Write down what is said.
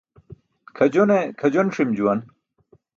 Kʰajone kʰajon ṣi̇m juwan.